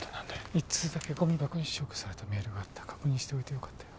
一通だけゴミ箱に消去されたメールがあった確認しておいてよかったよ